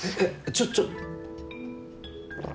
ちょっちょっ。